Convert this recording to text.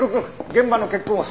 現場の血痕は？